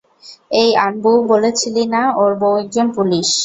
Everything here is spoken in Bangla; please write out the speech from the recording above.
এই আনবু, বলেছিলি না ওর বউ একজন পুলিশ?